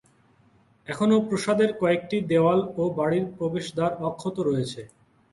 এখনো প্রাসাদের কয়েকটি দেয়াল ও বাড়ির প্রবেশদ্বার অক্ষত রয়েছে।